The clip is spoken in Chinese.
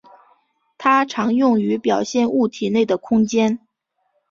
它常用于表现物体内的空间。